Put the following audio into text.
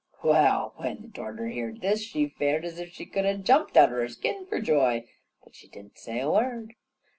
Well, when the darter heerd this, she fared as if she could ha' jumped outer her skin for joy, but she di'n't say a word.